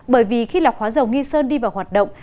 bởi vì khi lọc hóa dầu nghi sơn đi vào hoạt động